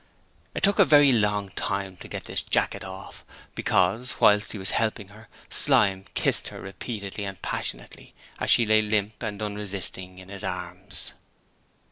It took a very long time to get this jacket off, because whilst he was helping her, Slyme kissed her repeatedly and passionately as she lay limp and unresisting in his arms.